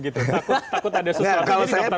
takut ada sesuatu kalau saya